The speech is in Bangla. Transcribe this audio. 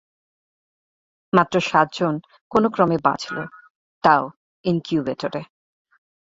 মাত্র সাতজন কোনোক্রমে বাঁচল, তাও ইনকিউবেটরে।